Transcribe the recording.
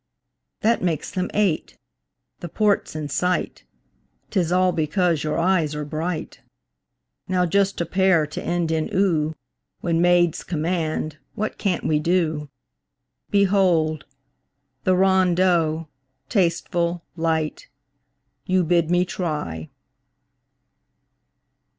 That makes them eight. The port's in sight 'Tis all because your eyes are bright! Now just a pair to end in "oo" When maids command, what can't we do? Behold! the rondeau, tasteful, light, You bid me try!